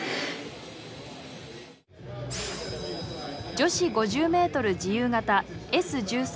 女子５０ｍ自由形Ｓ１３